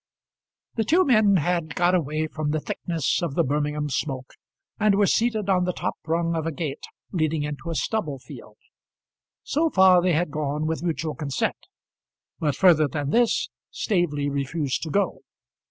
The two men had got away from the thickness of the Birmingham smoke, and were seated on the top rung of a gate leading into a stubble field. So far they had gone with mutual consent, but further than this Staveley refused to go.